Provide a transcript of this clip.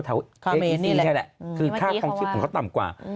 เอฟินนี่แหละคือค่าคลองชีพของเขาต่ำกว่า